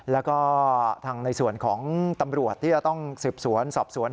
แล้วก็ทางในส่วนของตำรวจที่จะต้องสืบสวนสอบสวน